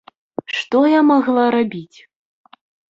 Што я магла рабіць?